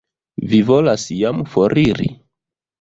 Vi volas jam foriri?